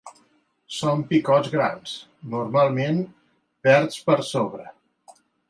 Són picots grans, normalment verds per sobre.